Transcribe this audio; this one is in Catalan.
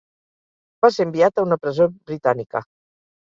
Va ser enviat a una presó britànica.